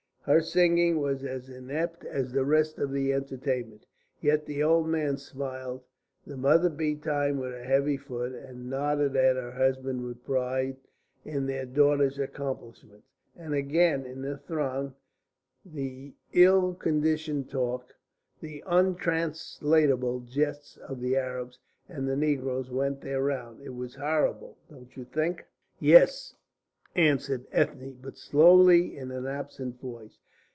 Her singing was as inept as the rest of the entertainment. Yet the old man smiled, the mother beat time with her heavy foot, and nodded at her husband with pride in their daughter's accomplishment. And again in the throng the ill conditioned talk, the untranslatable jests of the Arabs and the negroes went their round. It was horrible, don't you think?" "Yes," answered Ethne, but slowly, in an absent voice.